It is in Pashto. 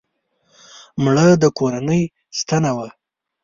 مړه د کورنۍ ستنه وه